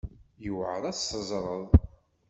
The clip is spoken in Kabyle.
Yewεer ad tt-teẓreḍ.